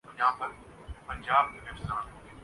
وہ یہ نہ کر سکے۔